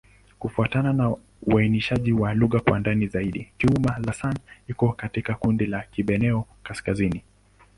Kufuatana na uainishaji wa lugha kwa ndani zaidi, Kiuma'-Lasan iko katika kundi la Kiborneo-Kaskazini.